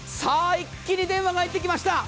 一気に電話が入ってきました。